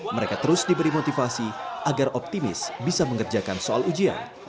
mereka terus diberi motivasi agar optimis bisa mengerjakan soal ujian